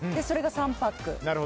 それが３パック。